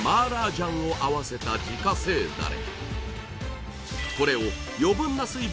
醤を合わせた自家製ダレ